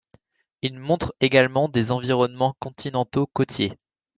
Ils montrent également des environnements continentaux côtiers.